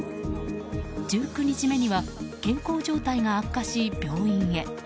１９日目には、健康状態が悪化し病院へ。